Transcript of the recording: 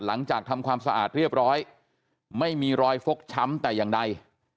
หลังจากทำความสะอาดเรียบร้อยไม่มีรอยฟกช้ำแต่อย่างใด